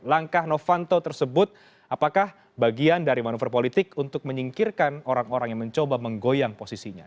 langkah novanto tersebut apakah bagian dari manuver politik untuk menyingkirkan orang orang yang mencoba menggoyang posisinya